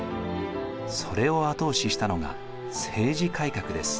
それを後押ししたのが政治改革です。